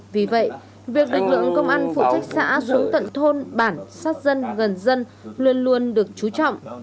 vì vậy việc lực lượng công an phụ trách xã xuống tận thôn bản sát dân gần dân luôn luôn được chú trọng